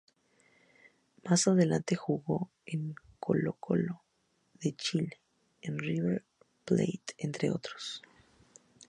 Más adelante jugó en Colo-Colo de Chile y en River Plate, entre otros.